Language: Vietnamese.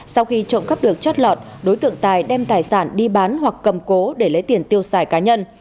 sau khi trộm cắp được chót lọt đối tượng tài đem tài sản đi bán hoặc cầm cố để lấy tiền tiêu xài cá nhân